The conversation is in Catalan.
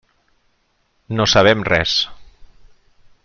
No sabem res.